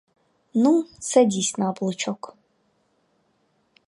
Ну, садись на облучок».